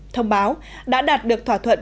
thông báo đã đạt được thỏa thuận